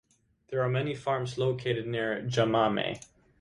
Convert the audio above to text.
There are many farms located near Jamame.